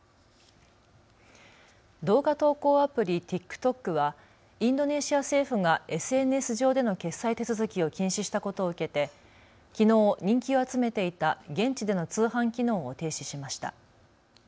動画投稿アプリ、ＴｉｋＴｏｋはインドネシア政府がＳＮＳ上での決済手続きを禁止したことを受けてきのう人気を集めていた現地での通販機能を停止しました。